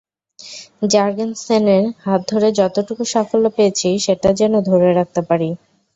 জার্গেনসেনের হাত ধরে যতটুকু সাফল্য পেয়েছি সেটা যেন ধরে রাখতে পারি।